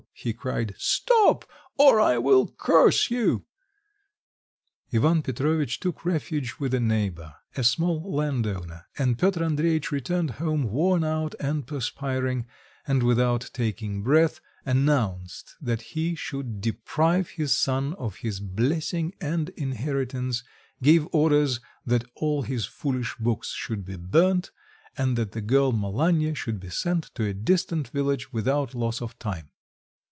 he cried, "stop! or I will curse you!" Ivan Petrovitch took refuge with a neighbour, a small landowner, and Piotr Andreitch returned home worn out and perspiring, and without taking breath, announced that he should deprive his son of his blessing and inheritance, gave orders that all his foolish books should be burnt, and that the girl Malanya should be sent to a distant village without loss of time.